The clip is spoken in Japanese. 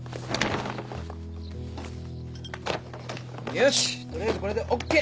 よし取りあえずこれでＯＫ。